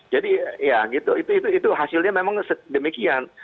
jadi hasilnya memang demikian